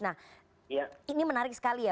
nah ini menarik sekali ya